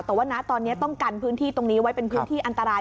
แต่ว่านะตอนนี้ต้องกันพื้นที่ตรงนี้ไว้เป็นพื้นที่อันตราย